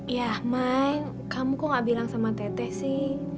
ya mai kamu kok gak bilang sama teteh sih